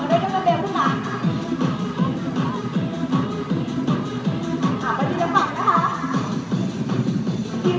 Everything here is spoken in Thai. ตามพร้อมตามพร้อมค่ะพี่